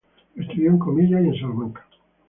Estudió en Comillas y en Salamanca.